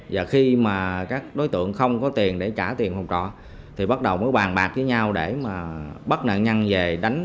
và khi mà các đối tượng không có tiền để trả tiền hồng trọ thì bắt đầu bàn bạc với nhau để bắt nạn nhân về đánh